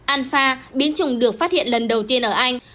alfa biến chủng được phát hiện lần đầu tiên ở anh